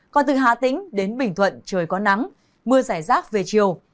còn từ hà tĩnh đến bình thuận trời có nắng mưa giải rác về chiều